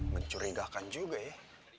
mencurigakan juga ya